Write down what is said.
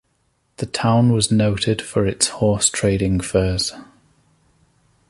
The town was noted for its horse trading fairs.